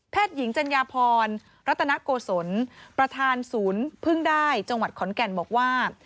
หญิงจัญญาพรรัตนโกศลประธานศูนย์พึ่งได้จังหวัดขอนแก่นบอกว่า